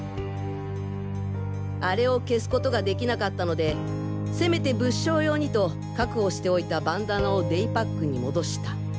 あれを消すことができなかったのでせめて物証用にと確保しておいたバンダナをデイパックに戻した。